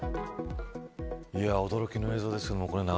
驚きの映像です。